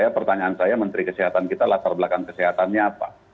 pertanyaan saya menteri kesehatan kita latar belakang kesehatannya apa